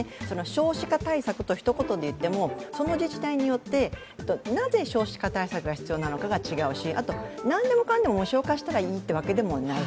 少子化対策とひと言で言ってもその自治体によってなぜ少子化対策が必要なのかが違うしなんでもかんでも無償化したらいいというわけでもない。